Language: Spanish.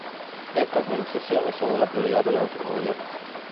Estas negociaciones son una prioridad para nuestro gobierno".